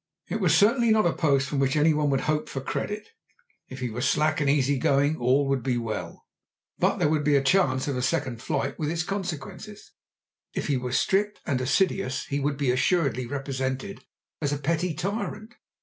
It was certainly not a post from which any one would hope for credit. If he were slack and easy going all would be well. But there would be the chance of a second flight with its consequences. If he were strict and assiduous he would be assuredly represented as a petty tyrant.